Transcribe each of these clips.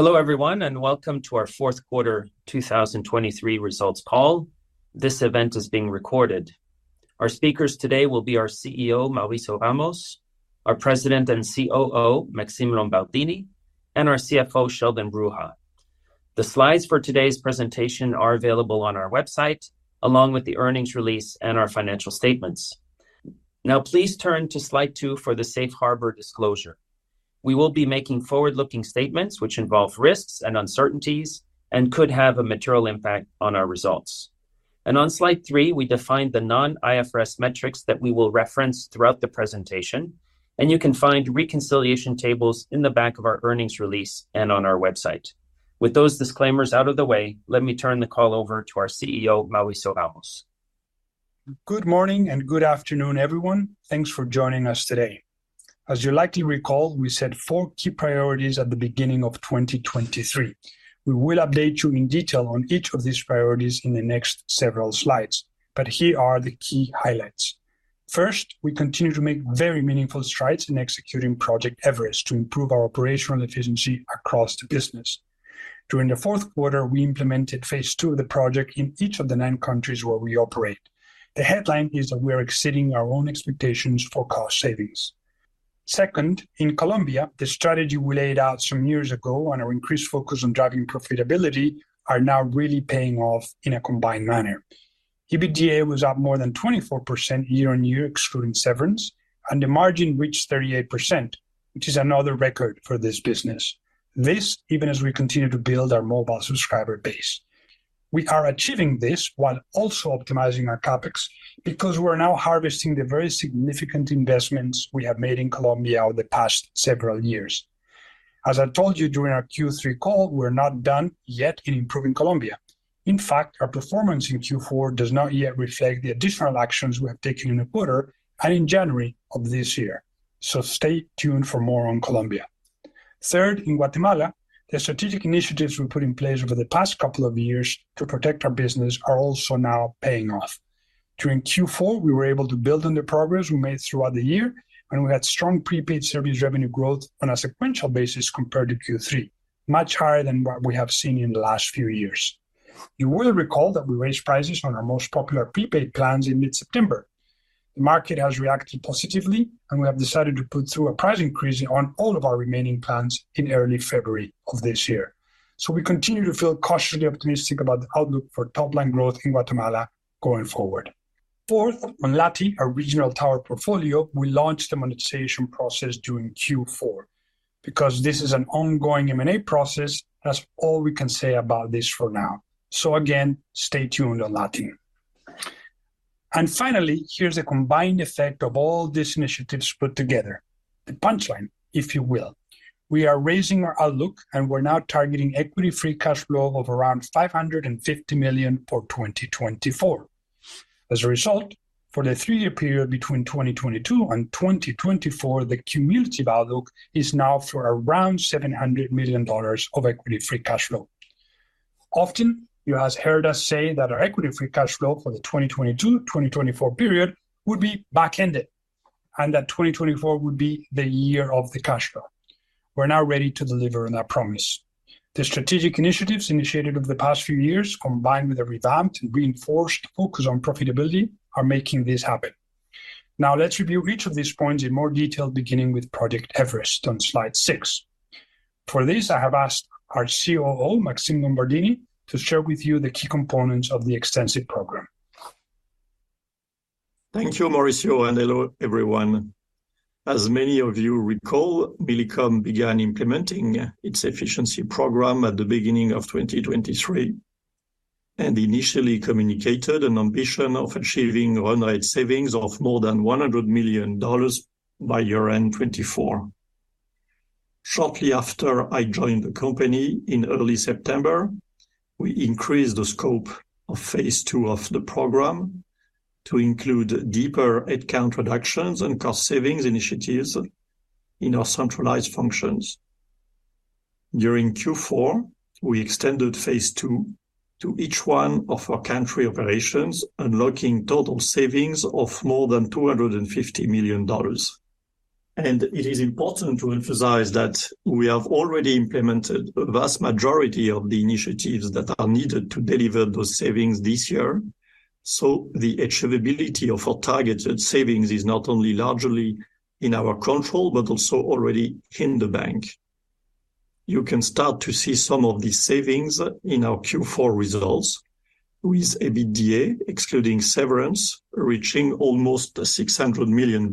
Hello everyone and to our fourth quarter 2023 results call. This event is being recorded. Our speakers today will be our CEO Mauricio Ramos, our President and COO Maxime Lombardini, and our CFO Sheldon Bruha. The slides for today's presentation are available on our website, along with the earnings release and our financial statements. Now please turn to slide 2 for the safe harbor disclosure. We will be making forward-looking statements which involve risks and uncertainties and could have a material impact on our results. On slide 3 we define the non-IFRS metrics that we will reference throughout the presentation, and you can find reconciliation tables in the back of our earnings release and on our website. With those disclaimers out of the way, let me turn the call over to our CEO Mauricio Ramos. Good morning and good afternoon everyone. Thanks for joining us today. As you likely recall, we set four key priorities at the beginning of 2023. We will update you in detail on each of these priorities in the next several slides, but here are the key highlights. First, we continue to make very meaningful strides in executing Project Everest to improve our operational efficiency across the business. During the fourth quarter, we implemented phase 2 of the project in each of the nine countries where we operate. The headline is that we are exceeding our own expectations for cost savings. Second, in Colombia, the strategy we laid out some years ago on our increased focus on driving profitability is now really paying off in a combined manner. EBITDA was up more than 24% year-on-year excluding severance, and the margin reached 38%, which is another record for this business. This even as we continue to build our mobile subscriber base. We are achieving this while also optimizing our CAPEX because we are now harvesting the very significant investments we have made in Colombia over the past several years. As I told you during our Q3 call, we are not done yet in improving Colombia. In fact, our performance in Q4 does not yet reflect the additional actions we have taken in the quarter and in January of this year, so stay tuned for more on Colombia. Third, in Guatemala, the strategic initiatives we put in place over the past couple of years to protect our business are also now paying off. During Q4, we were able to build on the progress we made throughout the year, and we had strong prepaid service revenue growth on a sequential basis compared to Q3, much higher than what we have seen in the last few years. You will recall that we raised prices on our most popular prepaid plans in mid-September. The market has reacted positively, and we have decided to put through a price increase on all of our remaining plans in early February of this year. So we continue to feel cautiously optimistic about the outlook for top-line growth in Guatemala going forward. Fourth, on LATI, our regional tower portfolio, we launched the monetization process during Q4. Because this is an ongoing M&A process, that's all we can say about this for now. So again, stay tuned on LATI. And finally, here's the combined effect of all these initiatives put together. The punchline, if you will. We are raising our outlook, and we're now targeting Equity Free Cash Flow of around $550 million for 2024. As a result, for the three-year period between 2022 and 2024, the cumulative outlook is now for around $700 million of Equity Free Cash Flow. Often, you have heard us say that our Equity Free Cash Flow for the 2022-2024 period would be back-ended, and that 2024 would be the year of the cash flow. We're now ready to deliver on that promise. The strategic initiatives initiated over the past few years, combined with a revamped and reinforced focus on profitability, are making this happen. Now let's review each of these points in more detail, beginning with Project Everest on slide 6. For this, I have asked our COO, Maxime Lombardini, to share with you the key components of the extensive program. Thank you, Mauricio and hello everyone. As many of you recall, Millicom began implementing its efficiency program at the beginning of 2023 and initially communicated an ambition of achieving run-rate savings of more than $100 million by year-end 2024. Shortly after I joined the company in early September, we increased the scope of phase 2 of the program to include deeper headcount reductions and cost savings initiatives in our centralized functions. During Q4, we extended phase 2 to each one of our country operations, unlocking total savings of more than $250 million. It is important to emphasize that we have already implemented a vast majority of the initiatives that are needed to deliver those savings this year, so the achievability of our targeted savings is not only largely in our control but also already in the bank. You can start to see some of these savings in our Q4 results, with EBITDA excluding severance reaching almost $600 million,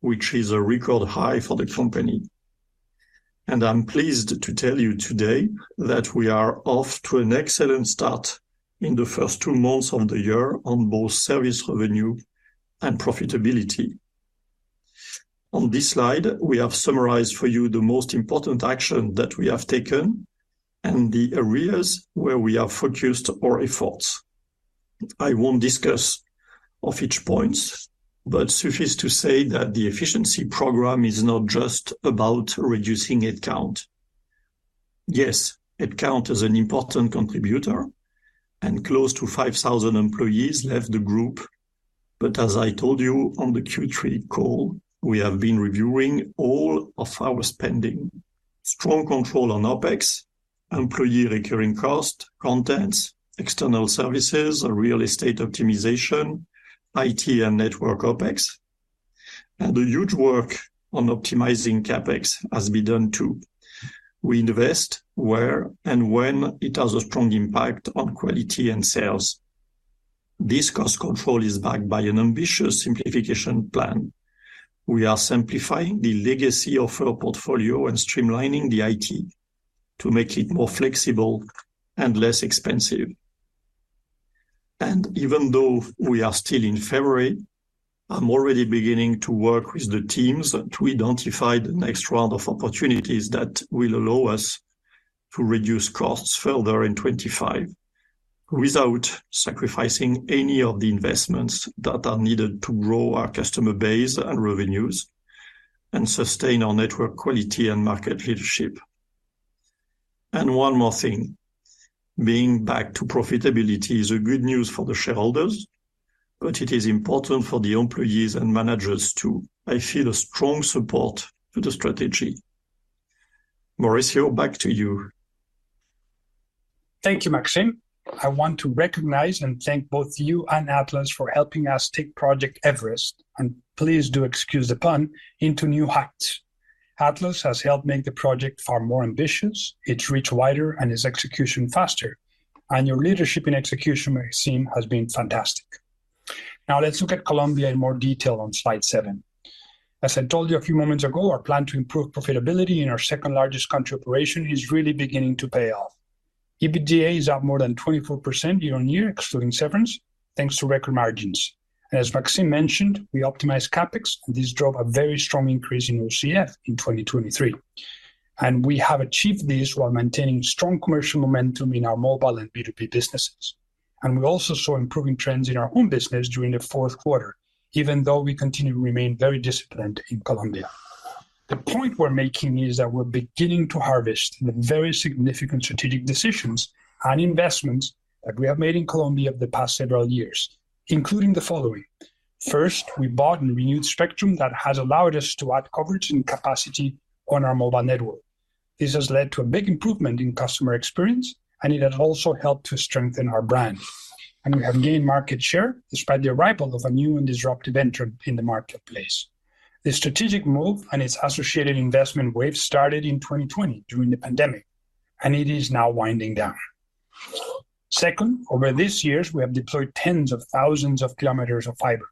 which is a record high for the company. I'm pleased to tell you today that we are off to an excellent start in the first two months of the year on both service revenue and profitability. On this slide, we have summarized for you the most important actions that we have taken and the areas where we have focused our efforts. I won't discuss each point, but suffice to say that the efficiency program is not just about reducing headcount. Yes, headcount is an important contributor, and close to 5,000 employees left the group, but as I told you on the Q3 call, we have been reviewing all of our spending: strong control on OPEX, employee recurring costs, contents, external services, real estate optimization, IT and network OPEX. A huge work on optimizing CAPEX has been done too. We invest where and when it has a strong impact on quality and sales. This cost control is backed by an ambitious simplification plan. We are simplifying the legacy of our portfolio and streamlining the IT to make it more flexible and less expensive. And even though we are still in February, I'm already beginning to work with the teams to identify the next round of opportunities that will allow us to reduce costs further in 2025 without sacrificing any of the investments that are needed to grow our customer base and revenues and sustain our network quality and market leadership. And one more thing. Being back to profitability is good news for the shareholders, but it is important for the employees and managers too. I feel a strong support for the strategy. Mauricio, back to you. Thank you, Maxime. I want to recognize and thank both you and Atlas for helping us take Project Everest, and please do excuse the pun, into new heights. Atlas has helped make the project far more ambitious, its reach wider, and its execution faster. Your leadership in execution, Maxime, has been fantastic. Now let's look at Colombia in more detail on slide 7. As I told you a few moments ago, our plan to improve profitability in our second-largest country operation is really beginning to pay off. EBITDA is up more than 24% year-on-year excluding severance, thanks to record margins. As Maxime mentioned, we optimized CAPEX, and this drove a very strong increase in OCF in 2023. We have achieved this while maintaining strong commercial momentum in our mobile and B2B businesses. We also saw improving trends in our home business during the fourth quarter, even though we continue to remain very disciplined in Colombia. The point we're making is that we're beginning to harvest the very significant strategic decisions and investments that we have made in Colombia over the past several years, including the following: first, we bought and renewed spectrum that has allowed us to add coverage and capacity on our mobile network. This has led to a big improvement in customer experience, and it has also helped to strengthen our brand. We have gained market share despite the arrival of a new and disruptive entrant in the marketplace. This strategic move and its associated investment wave started in 2020 during the pandemic, and it is now winding down. Second, over these years, we have deployed tens of thousands of kilometers of fiber.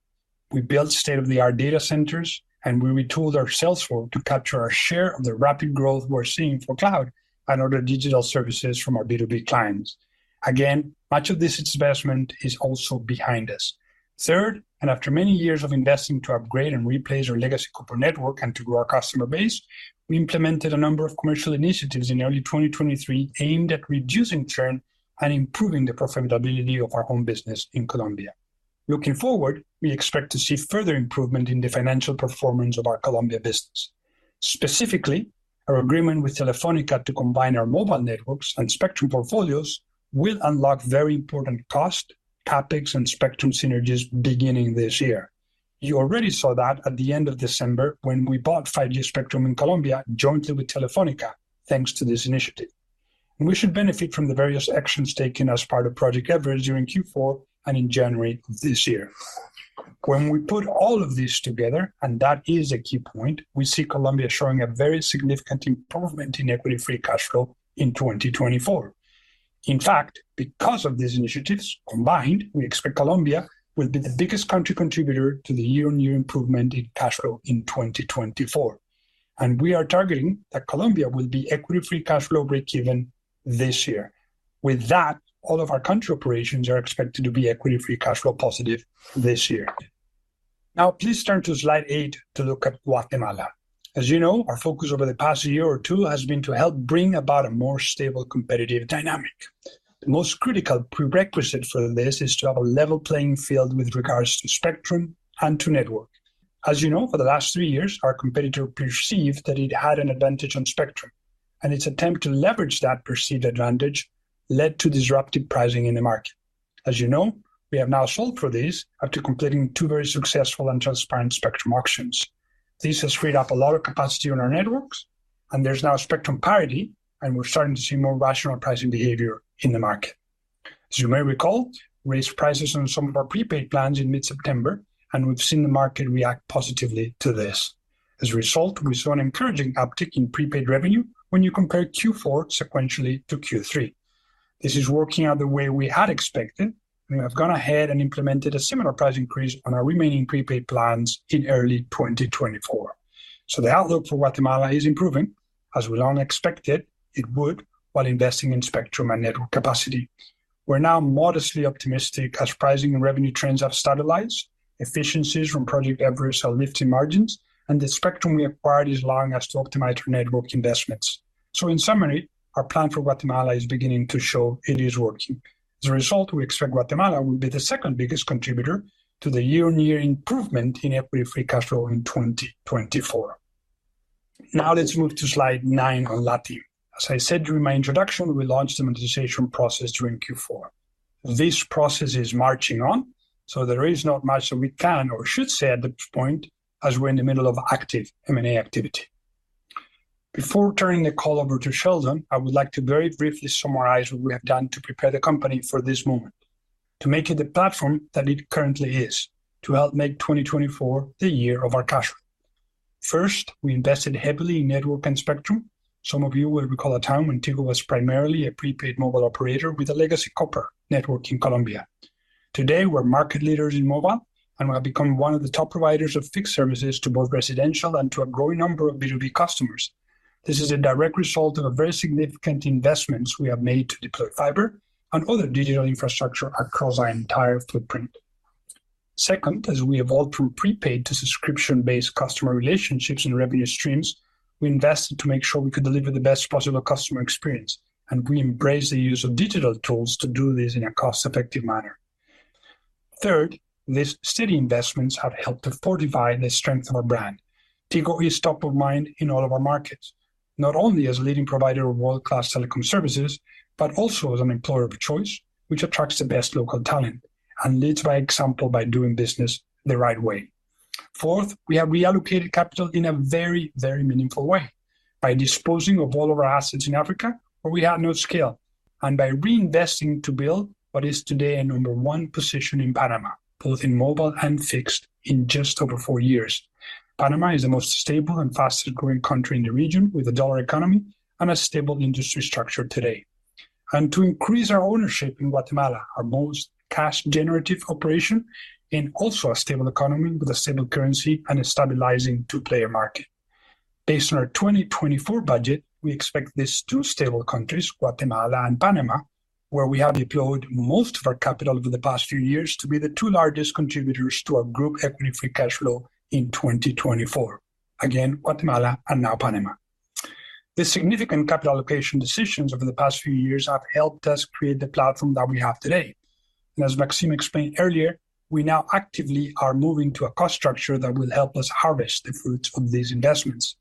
We built state-of-the-art data centers, and we retooled our sales force to capture our share of the rapid growth we're seeing for cloud and other digital services from our B2B clients. Again, much of this investment is also behind us. Third, and after many years of investing to upgrade and replace our legacy corporate network and to grow our customer base, we implemented a number of commercial initiatives in early 2023 aimed at reducing churn and improving the profitability of our home business in Colombia. Looking forward, we expect to see further improvement in the financial performance of our Colombia business. Specifically, our agreement with Telefónica to combine our mobile networks and spectrum portfolios will unlock very important cost, CapEx, and spectrum synergies beginning this year. You already saw that at the end of December when we bought 5G spectrum in Colombia jointly with Telefónica, thanks to this initiative. We should benefit from the various actions taken as part of Project Everest during Q4 and in January of this year. When we put all of this together, and that is a key point, we see Colombia showing a very significant improvement in Equity Free Cash Flow in 2024. In fact, because of these initiatives combined, we expect Colombia will be the biggest country contributor to the year-on-year improvement in cash flow in 2024. And we are targeting that Colombia will be Equity Free Cash Flow break-even this year. With that, all of our country operations are expected to be Equity Free Cash Flow positive this year. Now please turn to slide 8 to look at Guatemala. As you know, our focus over the past year or two has been to help bring about a more stable competitive dynamic. The most critical prerequisite for this is to have a level playing field with regards to spectrum and to network. As you know, for the last three years, our competitor perceived that it had an advantage on spectrum. Its attempt to leverage that perceived advantage led to disruptive pricing in the market. As you know, we have now solved this after completing two very successful and transparent spectrum auctions. This has freed up a lot of capacity on our networks, and there's now spectrum parity, and we're starting to see more rational pricing behavior in the market. As you may recall, we raised prices on some of our prepaid plans in mid-September, and we've seen the market react positively to this. As a result, we saw an encouraging uptick in prepaid revenue when you compare Q4 sequentially to Q3. This is working out the way we had expected, and we have gone ahead and implemented a similar price increase on our remaining prepaid plans in early 2024. The outlook for Guatemala is improving, as we long expected it would while investing in spectrum and network capacity. We're now modestly optimistic as pricing and revenue trends have stabilized, efficiencies from Project Everest are lifting margins, and the spectrum we acquired is allowing us to optimize our network investments. In summary, our plan for Guatemala is beginning to show it is working. As a result, we expect Guatemala will be the second biggest contributor to the year-on-year improvement in Equity Free Cash Flow in 2024. Now let's move to slide 9 on LATI. As I said during my introduction, we launched the monetization process during Q4. This process is marching on, so there is not much that we can or should say at this point as we're in the middle of active M&A activity. Before turning the call over to Sheldon, I would like to very briefly summarize what we have done to prepare the company for this moment, to make it the platform that it currently is, to help make 2024 the year of our cash flow. First, we invested heavily in network and spectrum. Some of you will recall a time when Tigo was primarily a prepaid mobile operator with a legacy copper network in Colombia. Today, we're market leaders in mobile, and we have become one of the top providers of fixed services to both residential and to a growing number of B2B customers. This is a direct result of very significant investments we have made to deploy fiber and other digital infrastructure across our entire footprint. Second, as we evolved from prepaid to subscription-based customer relationships and revenue streams, we invested to make sure we could deliver the best possible customer experience, and we embrace the use of digital tools to do this in a cost-effective manner. Third, these steady investments have helped to fortify the strength of our brand. Tigo is top of mind in all of our markets, not only as a leading provider of world-class telecom services but also as an employer of choice, which attracts the best local talent and leads by example by doing business the right way. Fourth, we have reallocated capital in a very, very meaningful way by disposing of all of our assets in Africa where we had no scale and by reinvesting to build what is today a number one position in Panama, both in mobile and fixed, in just over four years. Panama is the most stable and fastest-growing country in the region with a dollar economy and a stable industry structure today. And to increase our ownership in Guatemala, our most cash-generative operation, and also a stable economy with a stable currency and a stabilizing two-player market. Based on our 2024 budget, we expect these two stable countries, Guatemala and Panama, where we have deployed most of our capital over the past few years, to be the two largest contributors to our Group Equity Free Cash Flow in 2024. Again, Guatemala and now Panama. The significant capital allocation decisions over the past few years have helped us create the platform that we have today. And as Maxime explained earlier, we now actively are moving to a cost structure that will help us harvest the fruits of these investments,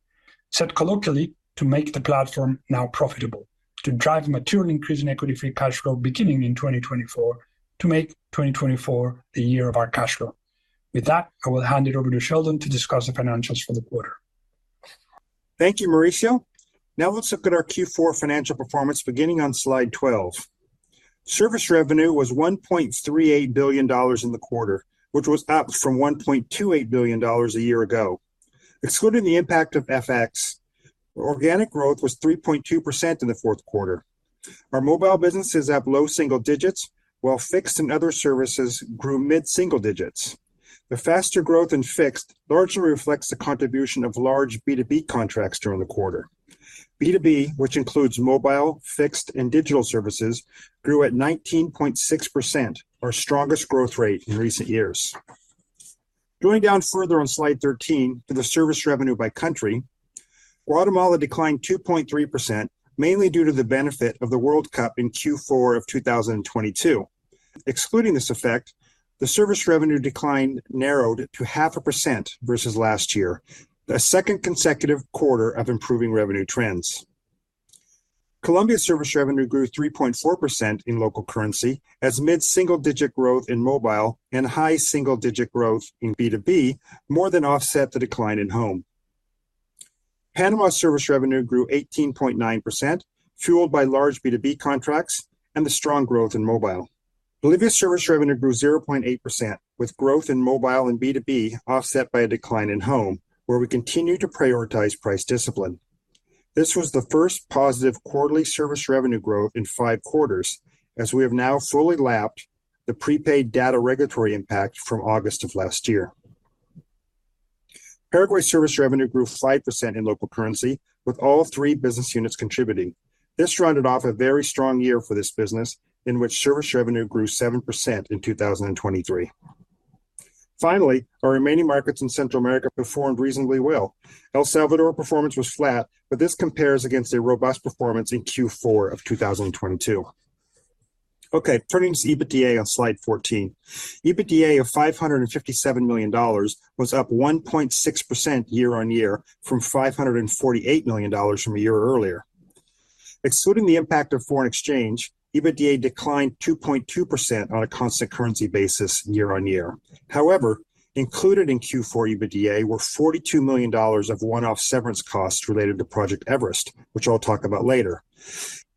said colloquially, to make the platform now profitable, to drive a material increase in Equity Free Cash Flow beginning in 2024 to make 2024 the year of our cash flow. With that, I will hand it over to Sheldon to discuss the financials for the quarter. Thank you, Mauricio. Now let's look at our Q4 financial performance beginning on slide 12. Service revenue was $1.38 billion in the quarter, which was up from $1.28 billion a year ago. Excluding the impact of FX, organic growth was 3.2% in the fourth quarter. Our mobile businesses have low single digits, while fixed and other services grew mid-single digits. The faster growth in fixed largely reflects the contribution of large B2B contracts during the quarter. B2B, which includes mobile, fixed, and digital services, grew at 19.6%, our strongest growth rate in recent years. Going down further on slide 13 to the service revenue by country, Guatemala declined 2.3% mainly due to the benefit of the World Cup in Q4 of 2022. Excluding this effect, the service revenue decline narrowed to 0.5% versus last year, a second consecutive quarter of improving revenue trends. Colombia's service revenue grew 3.4% in local currency as mid-single digit growth in mobile and high single digit growth in B2B more than offset the decline in home. Panama's service revenue grew 18.9%, fueled by large B2B contracts and the strong growth in mobile. Bolivia's service revenue grew 0.8%, with growth in mobile and B2B offset by a decline in home, where we continue to prioritize price discipline. This was the first positive quarterly service revenue growth in five quarters as we have now fully lapped the prepaid data regulatory impact from August of last year. Paraguay's service revenue grew 5% in local currency, with all three business units contributing. This rounded off a very strong year for this business in which service revenue grew 7% in 2023. Finally, our remaining markets in Central America performed reasonably well. El Salvador's performance was flat, but this compares against a robust performance in Q4 of 2022. Okay, turning to EBITDA on slide 14. EBITDA of $557 million was up 1.6% year-over-year from $548 million from a year earlier. Excluding the impact of foreign exchange, EBITDA declined 2.2% on a constant currency basis year-over-year. However, included in Q4 EBITDA were $42 million of one-off severance costs related to Project Everest, which I'll talk about later.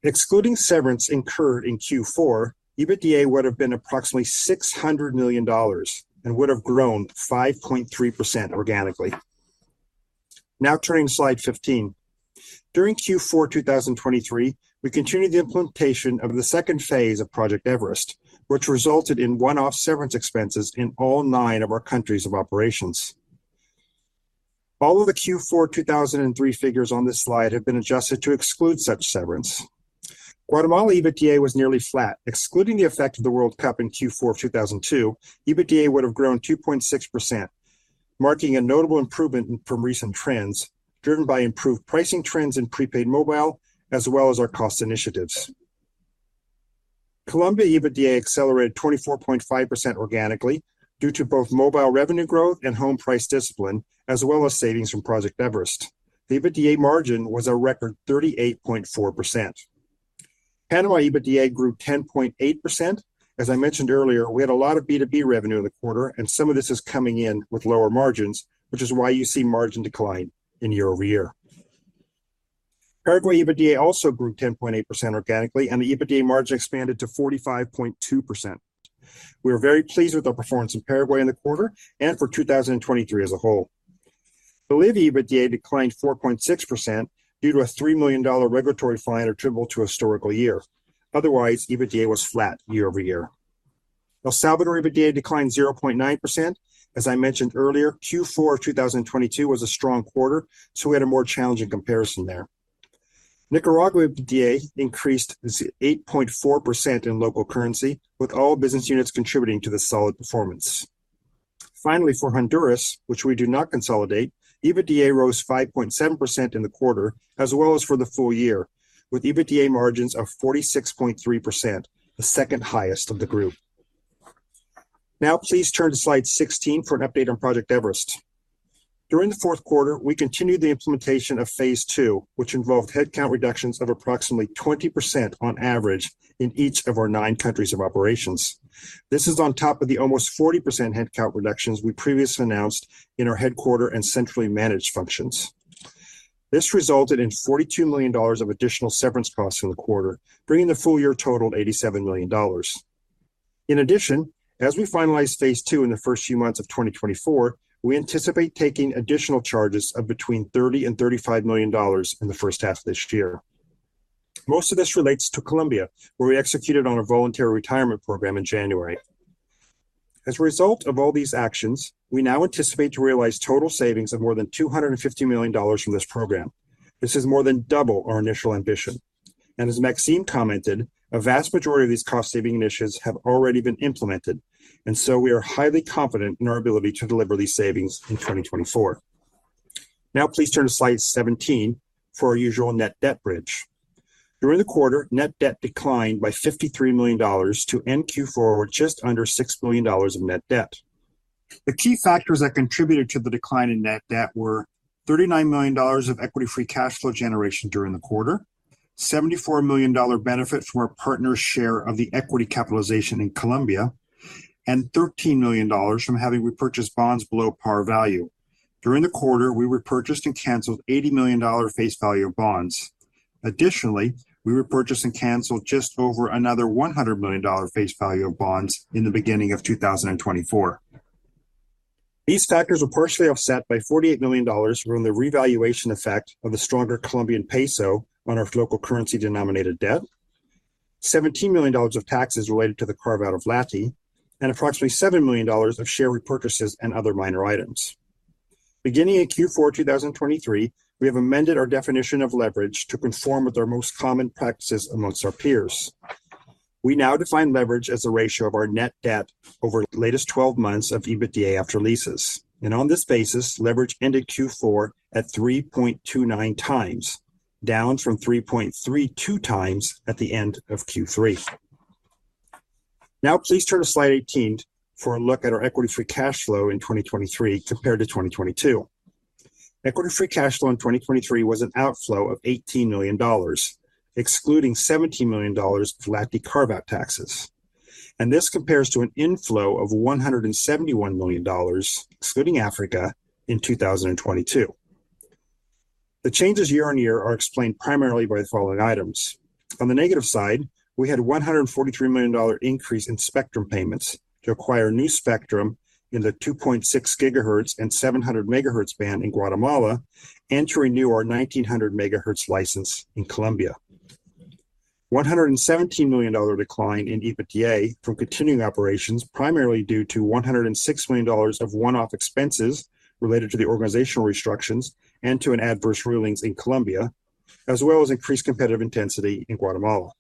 Excluding severance incurred in Q4, EBITDA would have been approximately $600 million and would have grown 5.3% organically. Now turning to slide 15. During Q4 2023, we continued the implementation of the second phase of Project Everest, which resulted in one-off severance expenses in all nine of our countries of operations. All of the Q4 2023 figures on this slide have been adjusted to exclude such severance. Guatemala EBITDA was nearly flat. Excluding the effect of the World Cup in Q4 of 2002, EBITDA would have grown 2.6%, marking a notable improvement from recent trends driven by improved pricing trends in prepaid mobile as well as our cost initiatives. Colombia EBITDA accelerated 24.5% organically due to both mobile revenue growth and home price discipline, as well as savings from Project Everest. The EBITDA margin was a record 38.4%. Panama EBITDA grew 10.8%. As I mentioned earlier, we had a lot of B2B revenue in the quarter, and some of this is coming in with lower margins, which is why you see margin decline in year-over-year. Paraguay EBITDA also grew 10.8% organically, and the EBITDA margin expanded to 45.2%. We are very pleased with our performance in Paraguay in the quarter and for 2023 as a whole. Bolivia EBITDA declined 4.6% due to a $3 million regulatory fine attributable to a historical year. Otherwise, EBITDA was flat year over year. El Salvador EBITDA declined 0.9%. As I mentioned earlier, Q4 of 2022 was a strong quarter, so we had a more challenging comparison there. Nicaragua EBITDA increased 8.4% in local currency, with all business units contributing to this solid performance. Finally, for Honduras, which we do not consolidate, EBITDA rose 5.7% in the quarter as well as for the full year, with EBITDA margins of 46.3%, the second highest of the group. Now please turn to slide 16 for an update on Project Everest. During the fourth quarter, we continued the implementation of phase two, which involved headcount reductions of approximately 20% on average in each of our nine countries of operations. This is on top of the almost 40% headcount reductions we previously announced in our headquarter and centrally managed functions. This resulted in $42 million of additional severance costs in the quarter, bringing the full year total to $87 million. In addition, as we finalize phase two in the first few months of 2024, we anticipate taking additional charges of between $30 million-$35 million in the first half of this year. Most of this relates to Colombia, where we executed on a voluntary retirement program in January. As a result of all these actions, we now anticipate to realize total savings of more than $250 million from this program. This is more than double our initial ambition. And as Maxime commented, a vast majority of these cost-saving initiatives have already been implemented, and so we are highly confident in our ability to deliver these savings in 2024. Now please turn to slide 17 for our usual net debt bridge. During the quarter, net debt declined by $53 million to end Q4 with just under $6 million of net debt. The key factors that contributed to the decline in net debt were $39 million of Equity Free Cash Flow generation during the quarter, $74 million benefit from our partner's share of the equity capitalization in Colombia, and $13 million from having repurchased bonds below par value. During the quarter, we repurchased and canceled $80 million face value of bonds. Additionally, we repurchased and canceled just over another $100 million face value of bonds in the beginning of 2024. These factors were partially offset by $48 million from the revaluation effect of the stronger Colombian peso on our local currency-denominated debt, $17 million of taxes related to the carve-out of LATI, and approximately $7 million of share repurchases and other minor items. Beginning in Q4 2023, we have amended our definition of leverage to conform with our most common practices among our peers. We now define leverage as a ratio of our net debt over the latest 12 months of EBITDA after leases. And on this basis, leverage ended Q4 at 3.29 times, down from 3.32 times at the end of Q3. Now please turn to slide 18 for a look at our Equity Free Cash Flow in 2023 compared to 2022. Equity Free Cash Flow in 2023 was an outflow of $18 million, excluding $17 million of LATI carve-out taxes. This compares to an inflow of $171 million, excluding Africa, in 2022. The changes year-on-year are explained primarily by the following items. On the negative side, we had a $143 million increase in spectrum payments to acquire new spectrum in the 2.6 GHz and 700 MHz band in Guatemala, and to renew our 1,900 MHz license in Colombia. $117 million decline in EBITDA from continuing operations, primarily due to $106 million of one-off expenses related to the organizational restrictions and to adverse rulings in Colombia, as well as increased competitive intensity in Guatemala.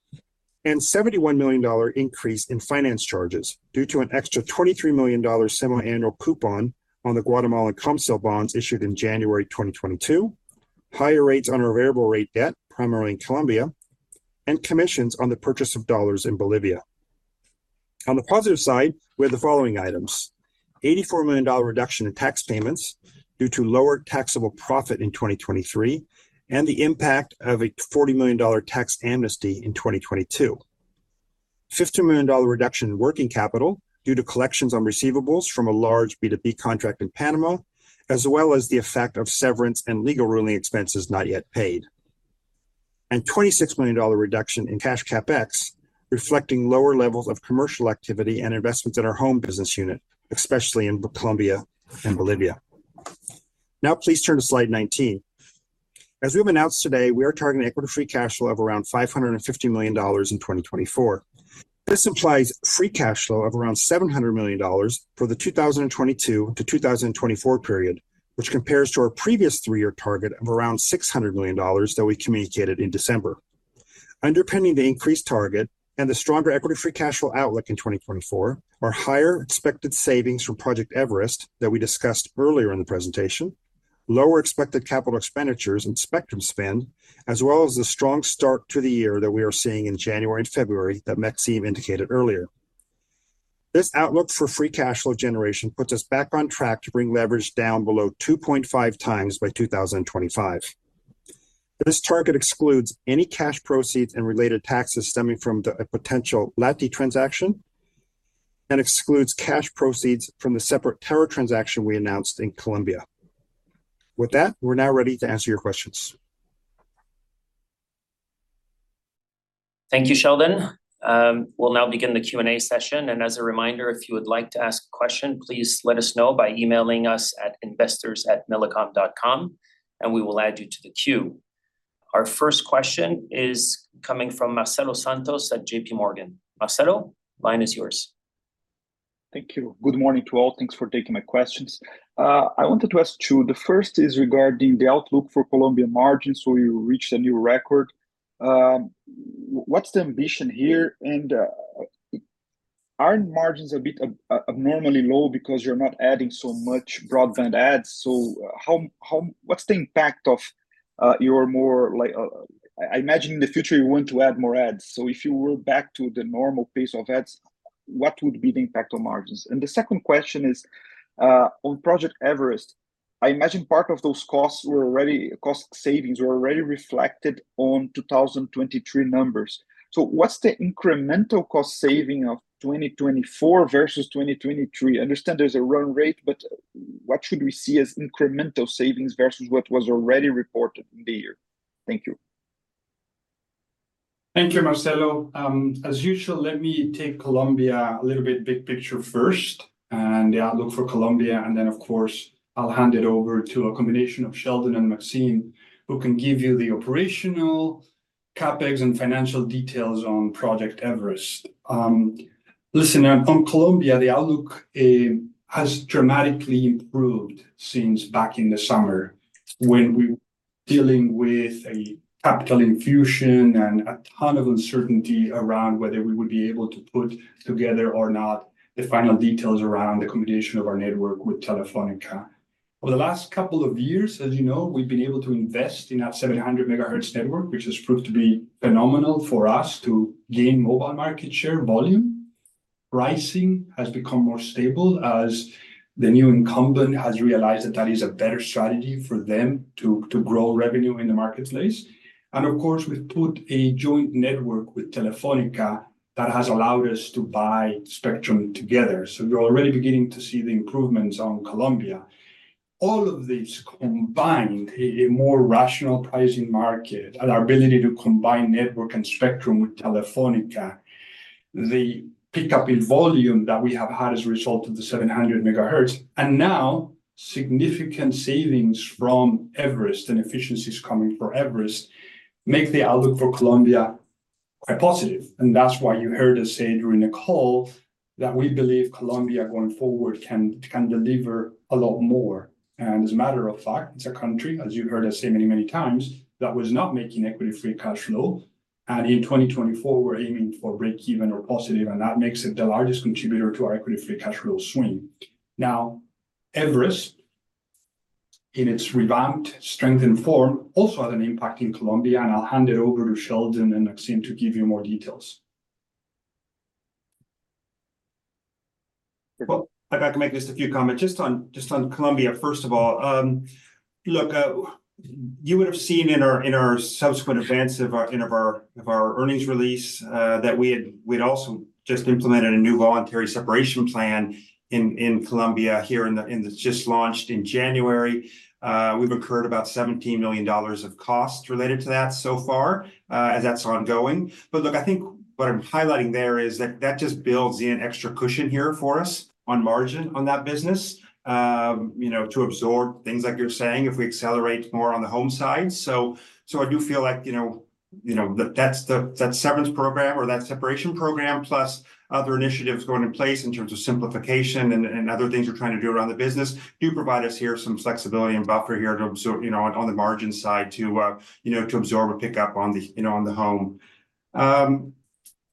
A $71 million increase in finance charges due to an extra $23 million semi-annual coupon on the Guatemalan Comcel bonds issued in January 2022, higher rates on our variable-rate debt, primarily in Colombia, and commissions on the purchase of dollars in Bolivia. On the positive side, we had the following items: an $84 million reduction in tax payments due to lower taxable profit in 2023 and the impact of a $40 million tax amnesty in 2022. A $15 million reduction in working capital due to collections on receivables from a large B2B contract in Panama, as well as the effect of severance and legal ruling expenses not yet paid. A $26 million reduction in cash CAPEX, reflecting lower levels of commercial activity and investments in our home business unit, especially in Colombia and Bolivia. Now please turn to slide 19. As we have announced today, we are targeting Equity Free Cash Flow of around $550 million in 2024. This implies free cash flow of around $700 million for the 2022 to 2024 period, which compares to our previous three-year target of around $600 million that we communicated in December. Underpinning the increased target and the stronger Equity Free Cash Flow outlook in 2024 are higher expected savings from Project Everest that we discussed earlier in the presentation, lower expected capital expenditures and spectrum spend, as well as the strong start to the year that we are seeing in January and February that Maxime indicated earlier. This outlook for free cash flow generation puts us back on track to bring leverage down below 2.5 times by 2025. This target excludes any cash proceeds and related taxes stemming from a potential LATI transaction and excludes cash proceeds from the separate tower transaction we announced in Colombia. With that, we're now ready to answer your questions. Thank you, Sheldon. We'll now begin the Q&A session. As a reminder, if you would like to ask a question, please let us know by emailing us at investors@milicom.com, and we will add you to the queue. Our first question is coming from Marcelo Santos at JPMorgan. Marcelo, the line is yours. Thank you. Good morning to all. Thanks for taking my questions. I wanted to ask two. The first is regarding the outlook for Colombia margins, so we reached a new record. What's the ambition here? And aren't margins a bit abnormally low because you're not adding so much broadband adds? So what's the impact of your more I imagine in the future you want to add more adds. So if you were back to the normal pace of adds, what would be the impact on margins? And the second question is, on Project Everest, I imagine part of those cost savings were already reflected on 2023 numbers. So what's the incremental cost saving of 2024 versus 2023? I understand there's a run rate, but what should we see as incremental savings versus what was already reported in the year? Thank you. Thank you, Mauricio. As usual, let me take Colombia a little bit big picture first and the outlook for Colombia. Then, of course, I'll hand it over to a combination of Sheldon and Maxime who can give you the operational CAPEX and financial details on Project Everest. Listen, on Colombia, the outlook has dramatically improved since back in the summer when we were dealing with a capital infusion and a ton of uncertainty around whether we would be able to put together or not the final details around the combination of our network with Telefónica. Over the last couple of years, as you know, we've been able to invest in our 700 MHz network, which has proved to be phenomenal for us to gain mobile market share volume. Pricing has become more stable as the new incumbent has realized that that is a better strategy for them to grow revenue in the marketplace. And of course, we've put a joint network with Telefónica that has allowed us to buy spectrum together. So you're already beginning to see the improvements on Colombia. All of these combined, a more rational pricing market and our ability to combine network and spectrum with Telefónica, the pickup in volume that we have had as a result of the 700 megahertz, and now significant savings from Everest and efficiencies coming from Everest make the outlook for Colombia quite positive. And that's why you heard us say during the call that we believe Colombia going forward can deliver a lot more. And as a matter of fact, it's a country, as you heard us say many, many times, that was not making Equity Free Cash Flow. In 2024, we're aiming for break-even or positive, and that makes it the largest contributor to our Equity Free Cash Flow swing. Now, Everest, in its revamped, strengthened form, also has an impact in Colombia. I'll hand it over to Sheldon and Maxime to give you more details. Well, if I can make just a few comments just on Colombia, first of all. Look, you would have seen in our subsequent events of our earnings release that we had also just implemented a new voluntary separation plan in Colombia here in the just launched in January. We've incurred about $17 million of costs related to that so far as that's ongoing. But look, I think what I'm highlighting there is that that just builds in extra cushion here for us. On margin on that business to absorb things like you're saying if we accelerate more on the home side. So I do feel like that's that severance program or that separation program plus other initiatives going in place in terms of simplification and other things we're trying to do around the business do provide us here some flexibility and buffer here to absorb on the margin side to absorb a pickup on the home.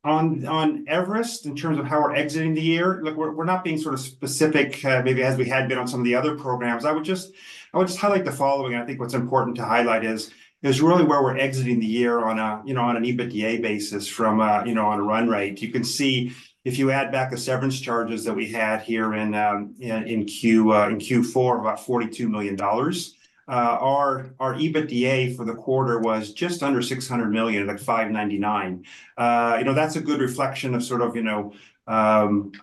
On Everest, in terms of how we're exiting the year, look, we're not being sort of specific maybe as we had been on some of the other programs. I would just highlight the following. I think what's important to highlight is really where we're exiting the year on an EBITDA basis from on a run rate. You can see if you add back the severance charges that we had here in Q4 of about $42 million, our EBITDA for the quarter was just under $600 million, like $599 million. That's a good reflection of sort of kind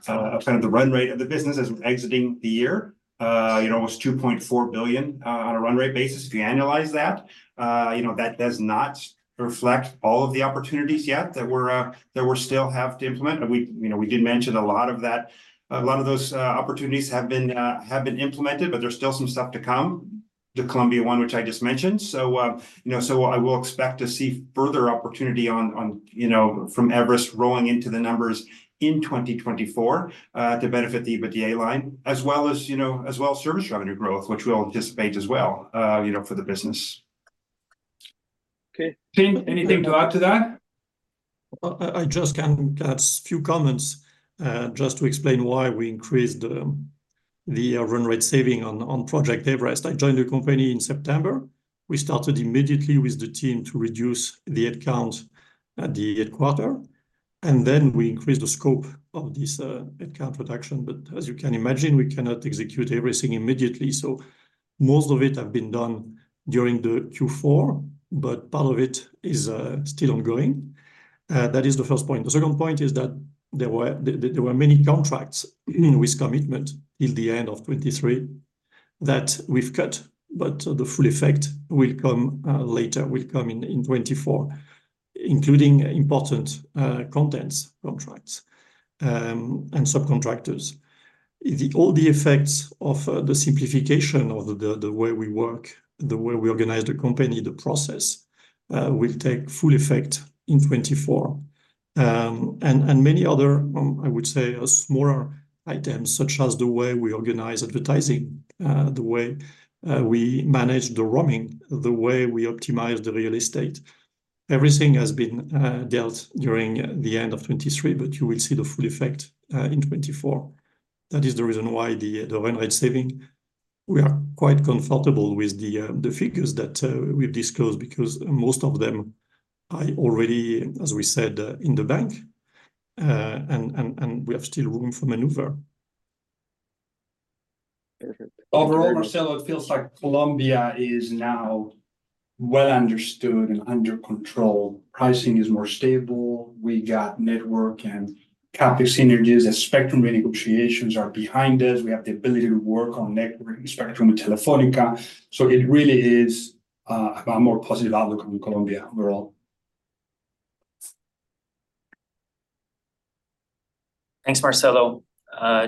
of the run rate of the business as we're exiting the year. It was $2.4 billion on a run rate basis. If you analyze that, that does not reflect all of the opportunities yet that we still have to implement. We did mention a lot of that. A lot of those opportunities have been implemented, but there's still some stuff to come, the Colombia one which I just mentioned. So I will expect to see further opportunity from Everest rolling into the numbers in 2024 to benefit the EBITDA line, as well as service revenue growth, which we'll anticipate as well for the business. Okay. Anything to add to that? I just can add a few comments just to explain why we increased the run rate saving on Project Everest. I joined the company in September. We started immediately with the team to reduce the headcount at the headquarters. Then we increased the scope of this headcount reduction. But as you can imagine, we cannot execute everything immediately. So most of it has been done during the Q4, but part of it is still ongoing. That is the first point. The second point is that there were many contracts with commitment till the end of 2023 that we've cut, but the full effect will come later, will come in 2024, including important content contracts and subcontractors. All the effects of the simplification of the way we work, the way we organize the company, the process will take full effect in 2024. Many other, I would say, smaller items such as the way we organize advertising, the way we manage the roaming, the way we optimize the real estate, everything has been dealt during the end of 2023, but you will see the full effect in 2024. That is the reason why the run rate saving we are quite comfortable with the figures that we've disclosed because most of them are already, as we said, in the bank, and we have still room for maneuver. Perfect. Overall, Marcelo, it feels like Colombia is now well understood and under control. Pricing is more stable. We got network and CAPEX synergies as spectrum renegotiations are behind us. We have the ability to work on networking spectrum with Telefónica. So it really is about a more positive outlook on Colombia overall. Thanks, Marcelo.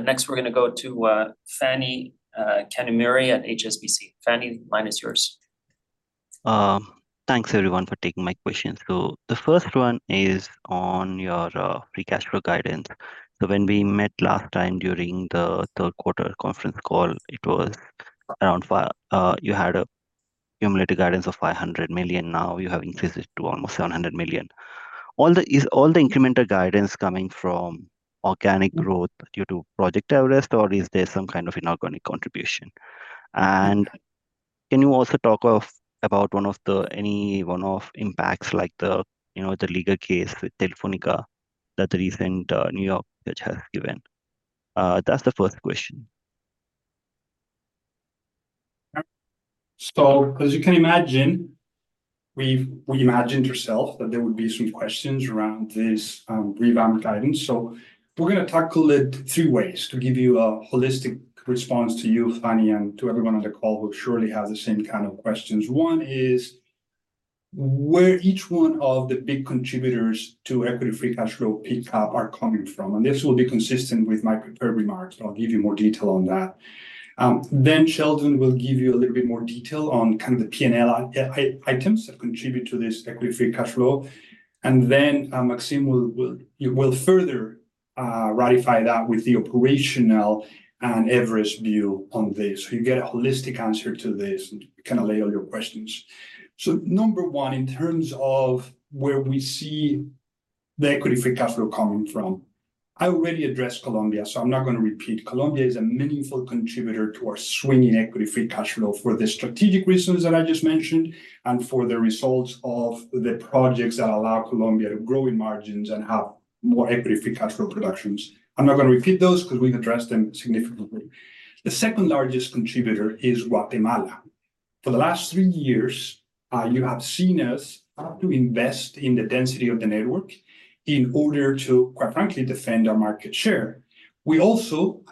Next, we're going to go to Phani Kanumuri at HSBC. Fanny, the line is yours. Thanks, everyone, for taking my questions. So the first one is on your free cash flow guidance. So when we met last time during the third-quarter conference call, it was around you had a cumulative guidance of $500 million. Now you have increased it to almost $700 million. Is all the incremental guidance coming from organic growth due to Project Everest, or is there some kind of inorganic contribution? And can you also talk about any one of the impacts like the legal case with Telefónica that the recent New York judge has given? That's the first question. As you can imagine, we imagined ourselves that there would be some questions around this revamped guidance. We're going to tackle it three ways to give you a holistic response to you, Fanny, and to everyone on the call who surely has the same kind of questions. One is where each one of the big contributors to Equity Free Cash Flow pickup are coming from. And this will be consistent with my prepared remarks. I'll give you more detail on that. Then Sheldon will give you a little bit more detail on kind of the P&L items that contribute to this Equity Free Cash Flow. And then Maxime will further ratify that with the operational and Everest view on this. So you get a holistic answer to this and kind of lay all your questions. So number one, in terms of where we see the Equity Free Cash Flow coming from, I already addressed Colombia, so I'm not going to repeat. Colombia is a meaningful contributor to our swinging Equity Free Cash Flow for the strategic reasons that I just mentioned and for the results of the projects that allow Colombia to grow in margins and have more Equity Free Cash Flow productions. I'm not going to repeat those because we've addressed them significantly. The second largest contributor is Guatemala. For the last three years, you have seen us have to invest in the density of the network in order to, quite frankly, defend our market share. We also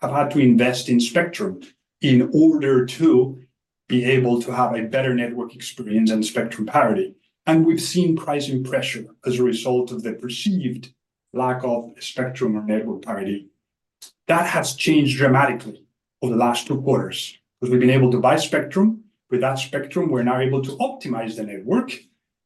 have had to invest in spectrum in order to be able to have a better network experience and spectrum parity. And we've seen pricing pressure as a result of the perceived lack of spectrum or network parity. That has changed dramatically over the last two quarters because we've been able to buy spectrum. With that spectrum, we're now able to optimize the network.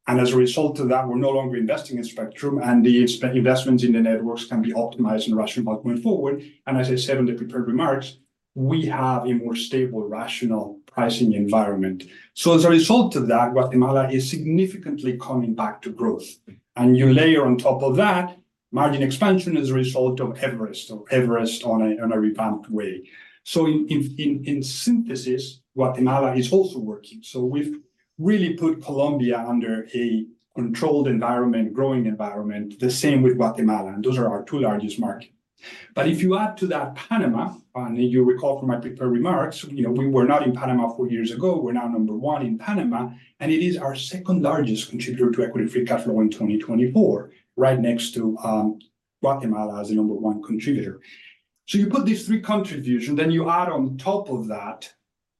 And as a result of that, we're no longer investing in spectrum, and the investments in the networks can be optimized and rationalized going forward. And as I said in the prepared remarks, we have a more stable, rational pricing environment. So as a result of that, Guatemala is significantly coming back to growth. And you layer on top of that margin expansion as a result of Everest or Everest on a revamped way. So in synthesis, Guatemala is also working. So we've really put Colombia under a controlled environment, growing environment, the same with Guatemala. And those are our two largest markets. But if you add to that Panama, and you recall from my prepared remarks, we were not in Panama four years ago. We're now number one in Panama. And it is our second largest contributor to Equity Free Cash Flow in 2024, right next to Guatemala as the number one contributor. So you put these three contributions, then you add on top of that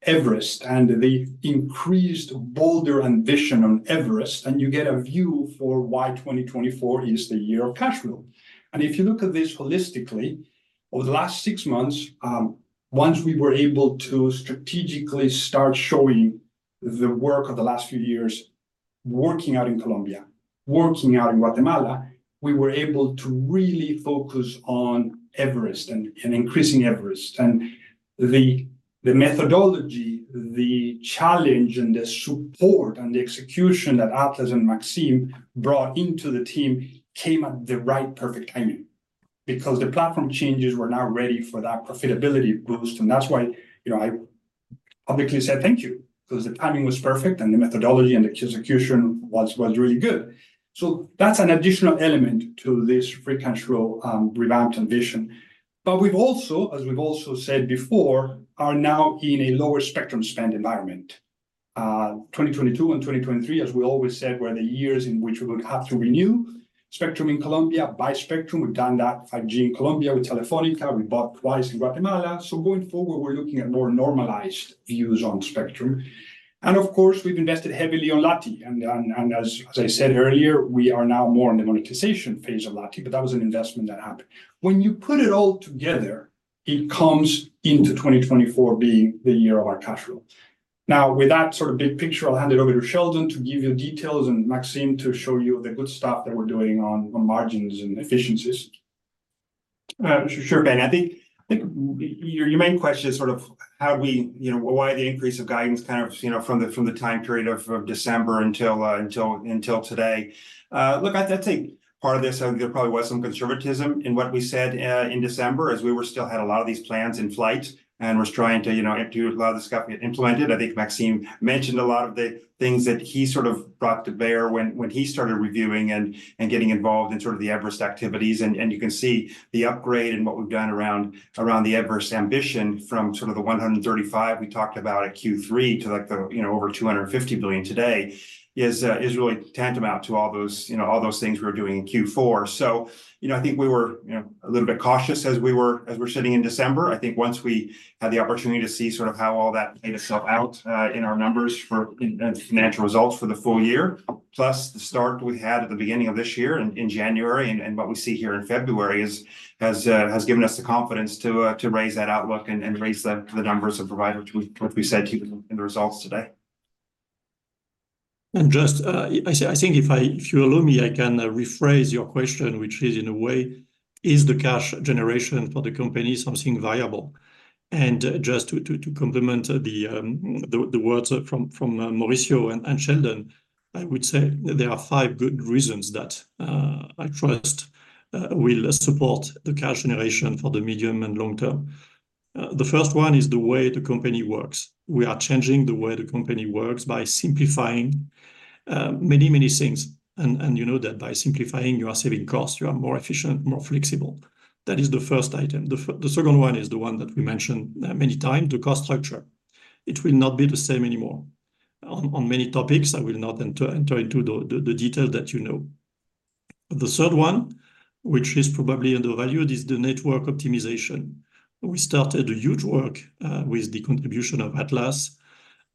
Everest and the increased bolder ambition on Everest, and you get a view for why 2024 is the year of cash flow. And if you look at this holistically, over the last six months, once we were able to strategically start showing the work of the last few years working out in Colombia, working out in Guatemala, we were able to really focus on Everest and increasing Everest. The methodology, the challenge, and the support and the execution that Atlas and Maxime brought into the team came at the right perfect timing because the platform changes were now ready for that profitability boost. That's why I publicly said thank you because the timing was perfect and the methodology and the execution was really good. That's an additional element to this free cash flow revamped ambition. We've also, as we've also said before, are now in a lower spectrum spend environment. 2022 and 2023, as we always said, were the years in which we would have to renew spectrum in Colombia, buy spectrum. We've done that 5G in Colombia with Telefónica. We bought twice in Guatemala. Going forward, we're looking at more normalized views on spectrum. Of course, we've invested heavily on LATI. As I said earlier, we are now more in the monetization phase of LATI, but that was an investment that happened. When you put it all together, it comes into 2024 being the year of our cash flow. Now, with that sort of big picture, I'll hand it over to Sheldon to give you details and Maxime to show you the good stuff that we're doing on margins and efficiencies. Sure, Fanny. I think your main question is sort of how and why the increase of guidance kind of from the time period of December until today. Look, I'd say part of this, I think there probably was some conservatism in what we said in December as we still had a lot of these plans in flight and were trying to do a lot of this stuff to get implemented. I think Maxime mentioned a lot of the things that he sort of brought to bear when he started reviewing and getting involved in sort of the Everest activities. And you can see the upgrade and what we've done around the Everest ambition from sort of the $135 million we talked about at Q3 to over $250 million today is really tantamount to all those things we were doing in Q4. So I think we were a little bit cautious as we were sitting in December. I think once we had the opportunity to see sort of how all that played itself out in our numbers and financial results for the full year, plus the start we had at the beginning of this year in January and what we see here in February has given us the confidence to raise that outlook and raise the numbers and provide what we said to you in the results today. Just, I think, if you allow me, I can rephrase your question, which is, in a way, is the cash generation for the company something viable? Just to complement the words from Mauricio and Sheldon, I would say there are five good reasons that I trust will support the cash generation for the medium and long term. The first one is the way the company works. We are changing the way the company works by simplifying many, many things. And you know that by simplifying, you are saving costs. You are more efficient, more flexible. That is the first item. The second one is the one that we mentioned many times, the cost structure. It will not be the same anymore. On many topics, I will not enter into the details that you know. The third one, which is probably undervalued, is the network optimization. We started a huge work with the contribution of Atlas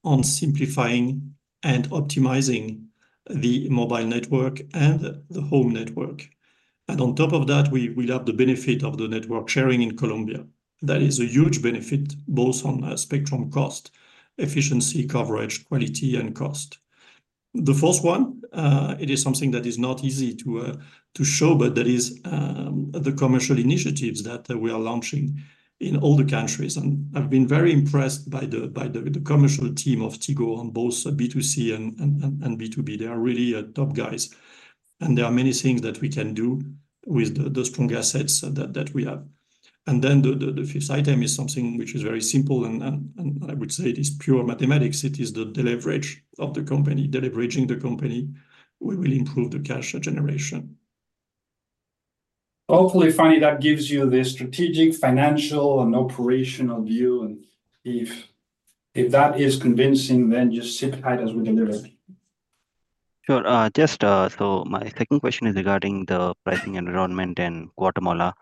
on simplifying and optimizing the mobile network and the home network. And on top of that, we will have the benefit of the network sharing in Colombia. That is a huge benefit both on spectrum cost, efficiency, coverage, quality, and cost. The fourth one, it is something that is not easy to show, but that is the commercial initiatives that we are launching in all the countries. And I've been very impressed by the commercial team of Tigo on both B2C and B2B. They are really top guys. And there are many things that we can do with the strong assets that we have. And then the fifth item is something which is very simple, and I would say it is pure mathematics. It is the deleverage of the company. Deleveraging the company, we will improve the cash generation. Hopefully, Fanny, that gives you the strategic, financial, and operational view. If that is convincing, then just sit tight as we deliver. Sure. So my second question is regarding the pricing environment in Guatemala.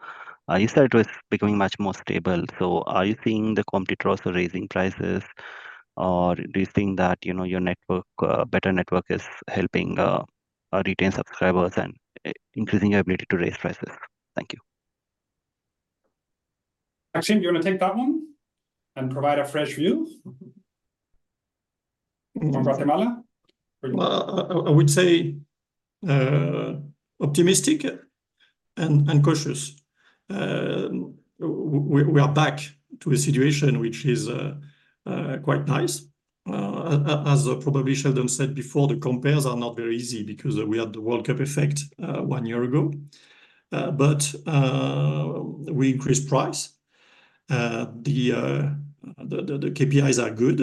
You said it was becoming much more stable. So are you seeing competitors raising prices, or do you think that your better network is helping retain subscribers and increasing your ability to raise prices? Thank you. Maxime, do you want to take that one and provide a fresh view from Guatemala? I would say optimistic and cautious. We are back to a situation which is quite nice. As probably Sheldon said before, the compares are not very easy because we had the World Cup effect one year ago. But we increased price. The KPIs are good.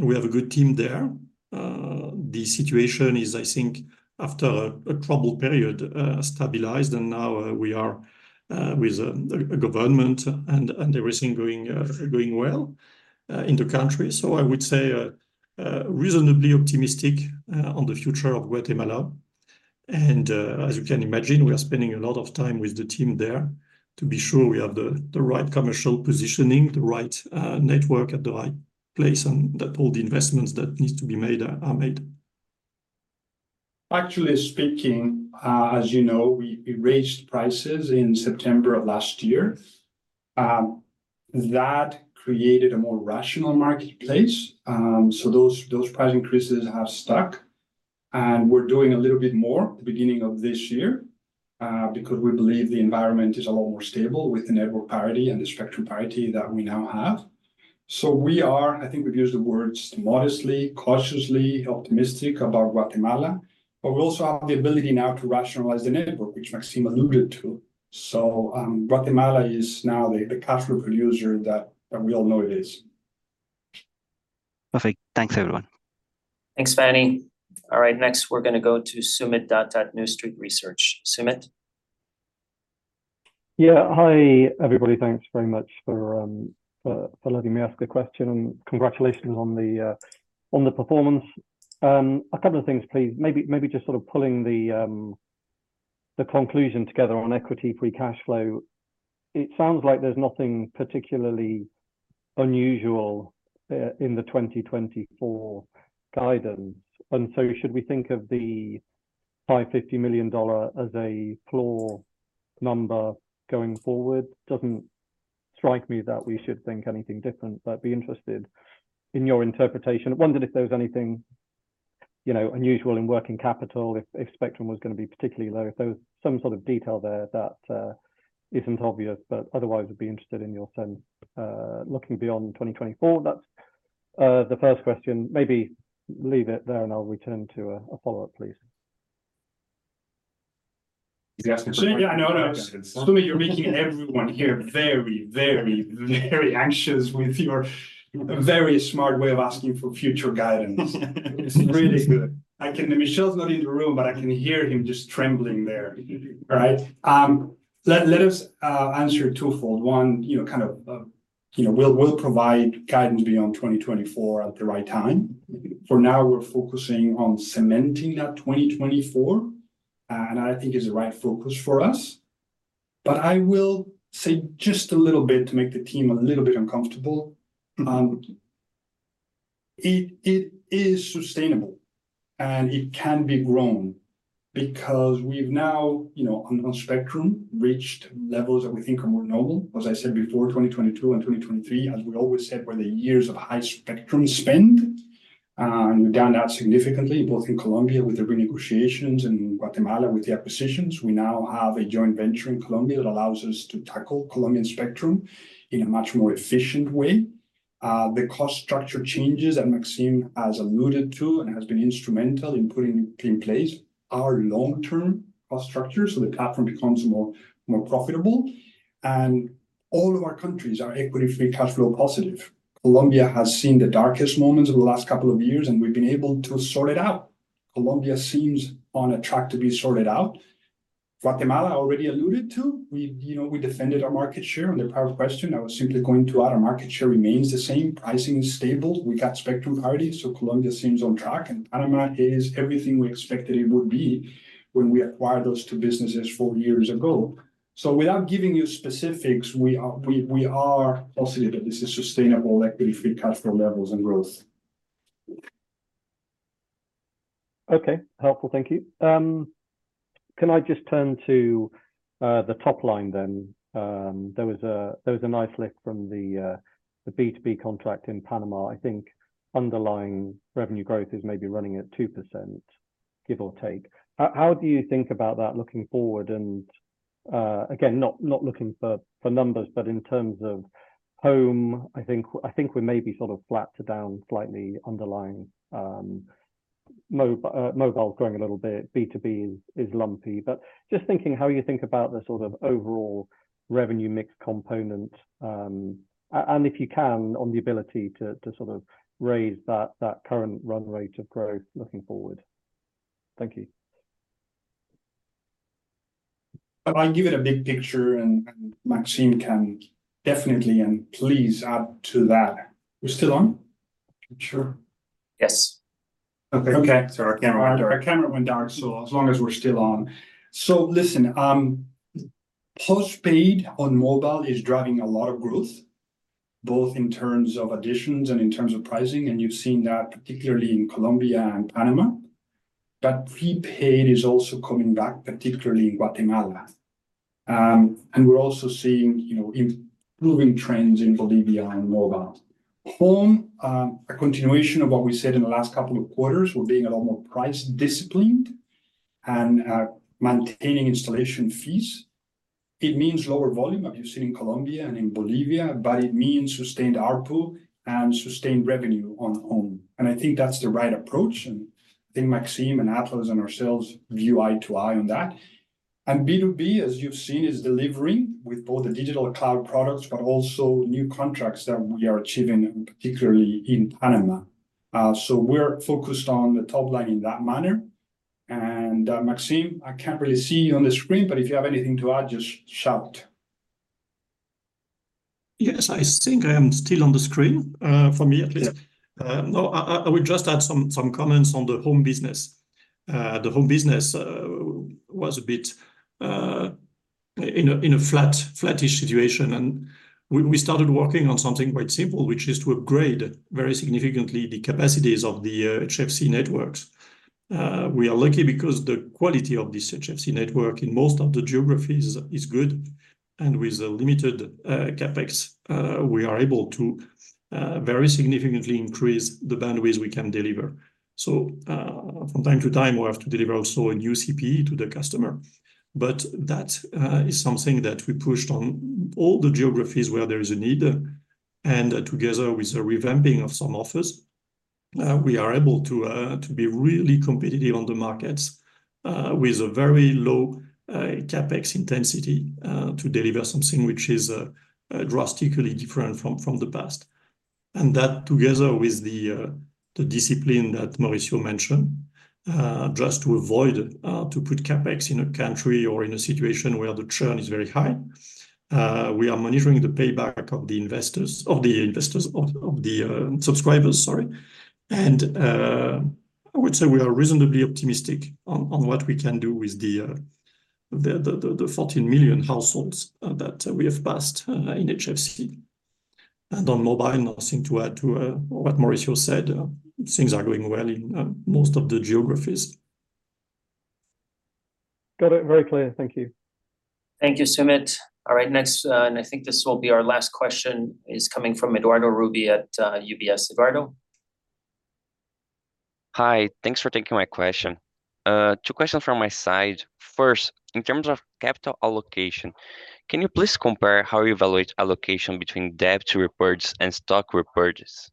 We have a good team there. The situation is, I think, after a troubled period, stabilized. And now we are with a government and everything going well in the country. So I would say reasonably optimistic on the future of Guatemala. And as you can imagine, we are spending a lot of time with the team there to be sure we have the right commercial positioning, the right network at the right place, and that all the investments that need to be made are made. Actually speaking, as you know, we raised prices in September of last year. That created a more rational marketplace. So those price increases have stuck. And we're doing a little bit more at the beginning of this year because we believe the environment is a lot more stable with the network parity and the spectrum parity that we now have. So I think we've used the words modestly, cautiously, optimistic about Guatemala. But we also have the ability now to rationalize the network, which Maxime alluded to. So Guatemala is now the cash flow producer that we all know it is. Perfect. Thanks, everyone. Thanks, Fanny. All right, next, we're going to go to Sumit, New Street Research. Sumit. Yeah, hi, everybody. Thanks very much for letting me ask the question. And congratulations on the performance. A couple of things, please. Maybe just sort of pulling the conclusion together on Equity Free Cash Flow. It sounds like there's nothing particularly unusual in the 2024 guidance. And so should we think of the $550 million as a floor number going forward? Doesn't strike me that we should think anything different, but be interested in your interpretation. Wondered if there was anything unusual in working capital, if spectrum was going to be particularly low. If there was some sort of detail there that isn't obvious, but otherwise, would be interested in your sense looking beyond 2024. That's the first question. Maybe leave it there, and I'll return to a follow-up, please. Is he asking for guidance? Yeah, no, no. Soomit, you're making everyone here very, very, very anxious with your very smart way of asking for future guidance. It's really good. Michel's not in the room, but I can hear him just trembling there, all right? Let us answer twofold. One, kind of we'll provide guidance beyond 2024 at the right time. For now, we're focusing on cementing that 2024, and I think it's the right focus for us. But I will say just a little bit to make the team a little bit uncomfortable. It is sustainable, and it can be grown because we've now, on spectrum, reached levels that we think are more normal. As I said before, 2022 and 2023, as we always said, were the years of high spectrum spend. And we've done that significantly, both in Colombia with the renegotiations and in Guatemala with the acquisitions. We now have a joint venture in Colombia that allows us to tackle Colombian spectrum in a much more efficient way. The cost structure changes that Maxime has alluded to and has been instrumental in putting in place our long-term cost structure so the platform becomes more profitable. All of our countries are Equity Free Cash Flow positive. Colombia has seen the darkest moments of the last couple of years, and we've been able to sort it out. Colombia seems on a track to be sorted out. Guatemala, I already alluded to, we defended our market share. On the prior question, I was simply going to add our market share remains the same. Pricing is stable. We got spectrum parity, so Colombia seems on track. Panama is everything we expected it would be when we acquired those two businesses four years ago. Without giving you specifics, we are positive that this is sustainable Equity Free Cash Flow levels and growth. Okay, helpful. Thank you. Can I just turn to the top line then? There was a nice lift from the B2B contract in Panama. I think underlying revenue growth is maybe running at 2%, give or take. How do you think about that looking forward? And again, not looking for numbers, but in terms of home, I think we may be sort of flat to down slightly underlying mobiles growing a little bit. B2B is lumpy. But just thinking how you think about the sort of overall revenue mix component. And if you can, on the ability to sort of raise that current run rate of growth looking forward. Thank you. I'll give it a big picture, and Maxime can definitely and please add to that. We're still on? Sure. Yes. Okay. Sorry, our camera went dark. Our camera went dark, so as long as we're still on. So listen, postpaid on mobile is driving a lot of growth, both in terms of additions and in terms of pricing. And you've seen that particularly in Colombia and Panama. But prepaid is also coming back, particularly in Guatemala. And we're also seeing improving trends in Bolivia and mobile. Home, a continuation of what we said in the last couple of quarters, we're being a lot more price disciplined and maintaining installation fees. It means lower volume as you've seen in Colombia and in Bolivia, but it means sustained ARPU and sustained revenue on home. And I think that's the right approach. And I think Maxime and Atlas and ourselves view eye to eye on that. B2B, as you've seen, is delivering with both the digital cloud products, but also new contracts that we are achieving, particularly in Panama. We're focused on the top line in that manner. Maxime, I can't really see you on the screen, but if you have anything to add, just shout. Yes, I think I am still on the screen, for me at least. No, I would just add some comments on the home business. The home business was a bit in a flatish situation. And we started working on something quite simple, which is to upgrade very significantly the capacities of the HFC networks. We are lucky because the quality of this HFC network in most of the geographies is good. And with a limited CAPEX, we are able to very significantly increase the bandwidth we can deliver. So from time to time, we have to deliver also a new CPE to the customer. But that is something that we pushed on all the geographies where there is a need. Together with a revamping of some offices, we are able to be really competitive on the markets with a very low CAPEX intensity to deliver something which is drastically different from the past. That together with the discipline that Mauricio mentioned, just to avoid putting CAPEX in a country or in a situation where the churn is very high, we are monitoring the payback of the investors of the subscribers, sorry. I would say we are reasonably optimistic on what we can do with the 14 million households that we have passed in HFC. On mobile, nothing to add to what Mauricio said. Things are going well in most of the geographies. Got it very clear. Thank you. Thank you, Sumit. All right, next, and I think this will be our last question is coming from Eduardo Rubio at UBS, Eduardo. Hi, thanks for taking my question. Two questions from my side. First, in terms of capital allocation, can you please compare how you evaluate allocation between debt repurchase and stock repurchase?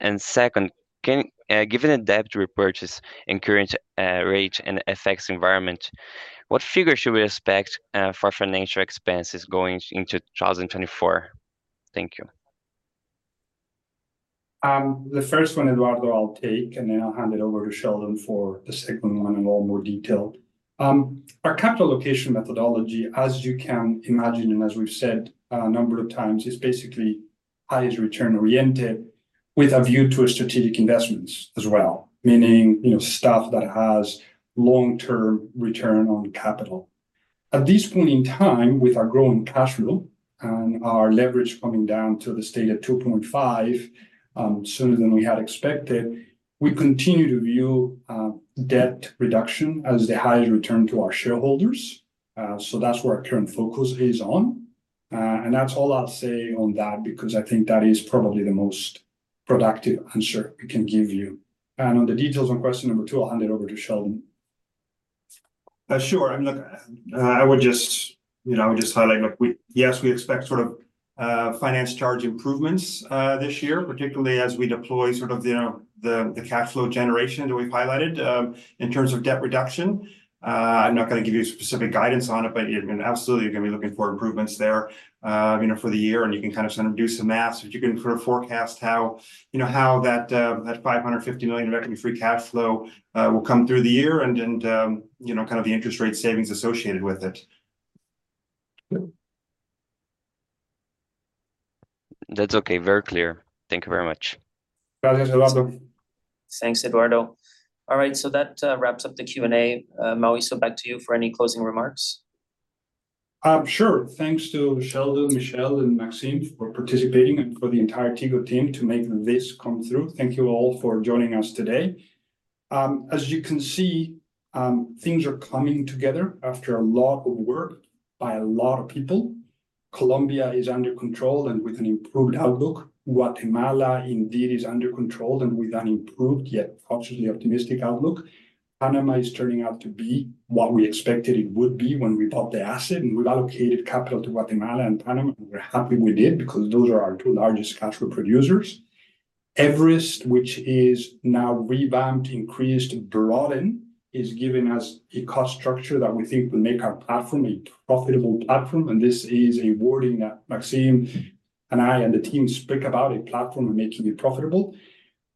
And second, given the debt repurchase and current rate and effects environment, what figure should we expect for financial expenses going into 2024? Thank you. The first one, Eduardo, I'll take, and then I'll hand it over to Sheldon for the second one in a lot more detail. Our capital allocation methodology, as you can imagine and as we've said a number of times, is basically highest return oriented with a view to strategic investments as well, meaning stuff that has long-term return on capital. At this point in time, with our growing cash flow and our leverage coming down to the state of 2.5 sooner than we had expected, we continue to view debt reduction as the highest return to our shareholders. So that's where our current focus is on. That's all I'll say on that because I think that is probably the most productive answer we can give you. On the details on question number two, I'll hand it over to Sheldon. Sure. I mean, look, I would just highlight, yes, we expect sort of finance charge improvements this year, particularly as we deploy sort of the cash flow generation that we've highlighted in terms of debt reduction. I'm not going to give you specific guidance on it, but absolutely, you're going to be looking for improvements there for the year. You can kind of sort of do some math so that you can sort of forecast how that $550 million in revenue-free cash flow will come through the year and kind of the interest rate savings associated with it. That's okay. Very clear. Thank you very much. Thanks, Eduardo. Thanks, Eduardo. All right, so that wraps up the Q&A. Mauricio, back to you for any closing remarks. Sure. Thanks to Sheldon, Michel, and Maxime for participating and for the entire Tigo team to make this come through. Thank you all for joining us today. As you can see, things are coming together after a lot of work by a lot of people. Colombia is under control and with an improved outlook. Guatemala, indeed, is under control and with an improved yet cautiously optimistic outlook. Panama is turning out to be what we expected it would be when we bought the asset. And we've allocated capital to Guatemala and Panama. And we're happy we did because those are our two largest cash flow producers. Everest, which is now revamped, increased, broadened, is giving us a cost structure that we think will make our platform a profitable platform. And this is a wording that Maxime and I and the team speak about, a platform and making it profitable.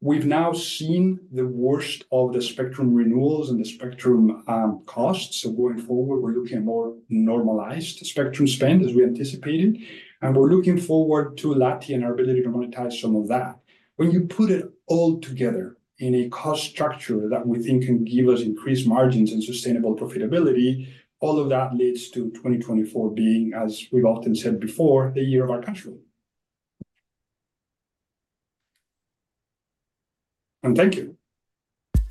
We've now seen the worst of the spectrum renewals and the spectrum costs. So going forward, we're looking at more normalized spectrum spend as we anticipated. And we're looking forward to LATI and our ability to monetize some of that. When you put it all together in a cost structure that we think can give us increased margins and sustainable profitability, all of that leads to 2024 being, as we've often said before, the year of our cash flow. And thank you.